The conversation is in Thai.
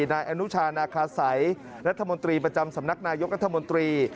นายอนุชาร์นากาศัยดิ์นัพมนตรีประจำสำนักนายกกธมนตรี